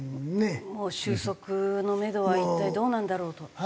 もう収束のめどは一体どうなんだろうと。